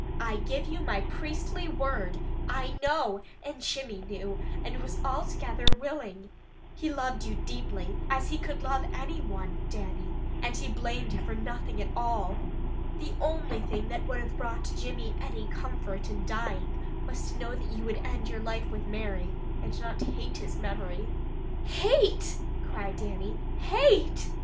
"I give you my priestly word, I know, and Jimmy knew, and was altogether willing. He loved you deeply, as he could love any one, Dannie, and he blamed you for nothing at all. The only thing that would have brought Jimmy any comfort in dying, was to know that you would end your life with Mary, and not hate his memory." "Hate!" cried Dannie. "Hate!